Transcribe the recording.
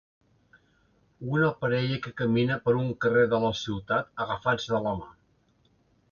Una parella que camina per un carrer de la ciutat agafats de la mà.